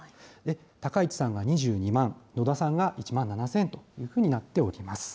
高市さんは２２万、野田さんが１万７０００というふうになっています。